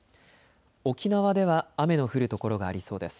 沖縄では雨の降る所がありそうです。